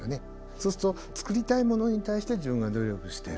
そうすると作りたいものに対して自分が努力している。